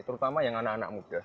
terutama yang anak anak muda